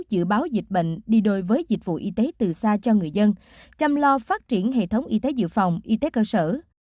dự báo dịch bệnh đi đôi với dịch vụ y tế từ xa cho người dân chăm lo phát triển hệ thống y tế dự phòng y tế cơ sở